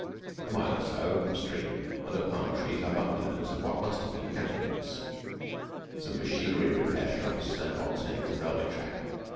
A mile or so up stream under palm trees are bungalows of what must have been cantonments, some machinery repair shops, and odds and ends of railway track.